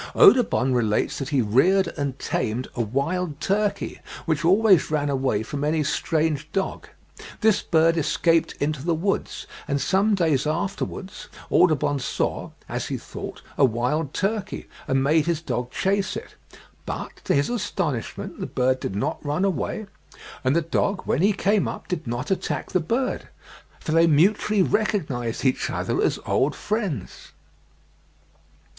Audubon relates that he reared and tamed a wild turkey which always ran away from any strange dog; this bird escaped into the woods, and some days afterwards Audubon saw, as he thought, a wild turkey, and made his dog chase it; but, to his astonishment, the bird did not run away, and the dog, when he came up, did not attack the bird, for they mutually recognised each other as old friends.